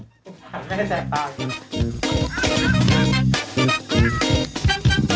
ขับให้แจบตา